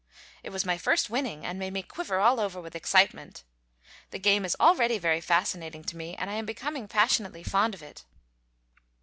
It was my first winning, and made me quiver all over with excitement. The game is already very fascinating to me, and I am becoming passionately fond of it.